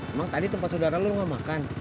emang tadi tempat saudara lo nggak makan